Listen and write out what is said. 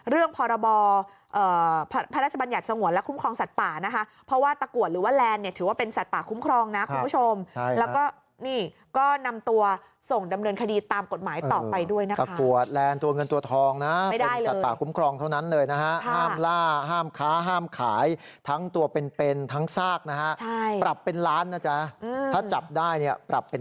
เรื่องพรบภรรรชบัญญาติ